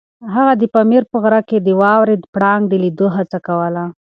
هغه د پامیر په غره کې د واورې پړانګ د لیدو هڅه کوله.